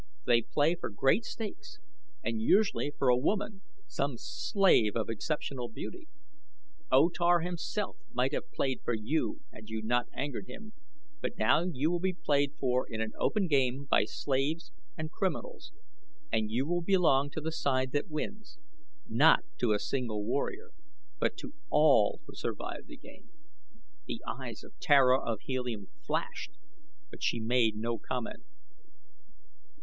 They play for great stakes and usually for a woman some slave of exceptional beauty. O Tar himself might have played for you had you not angered him, but now you will be played for in an open game by slaves and criminals, and you will belong to the side that wins not to a single warrior, but to all who survive the game." The eyes of Tara of Helium flashed, but she made no comment.